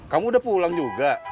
kamu udah pulang juga